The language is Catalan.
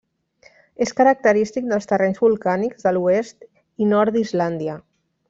És característic dels terrenys volcànics de l'oest i nord d'Islàndia.